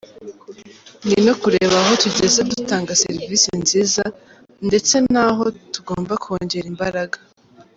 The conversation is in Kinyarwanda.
Ni no kureba aho tugeze dutanga serivisi nziza ndetse n’aho tugomba kongera imbaraga”.